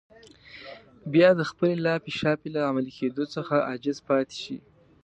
بيا د خپلې لاپې شاپې له عملي کېدو څخه عاجز پاتې شي.